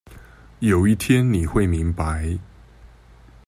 有一天你會明白